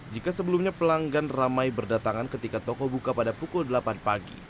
jika sebelumnya pelanggan ramai berdatangan ketika toko buka pada pukul delapan pagi